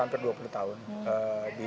hampir dua puluh tahun di